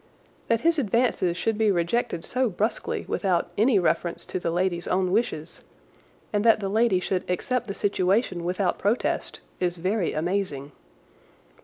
That his advances should be rejected so brusquely without any reference to the lady's own wishes and that the lady should accept the situation without protest is very amazing.